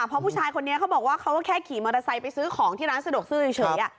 เพราะผู้ชายคนนี้เขาบอกว่าเขาก็แค่ขี่มอเตอร์ไซค์ไปซื้อของที่ร้านสะดวกซื้อเฉย